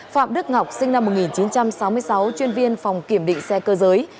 phạm đức ngọc sinh năm một nghìn chín trăm sáu mươi sáu chuyên viên phòng kiểm định xe cơ giới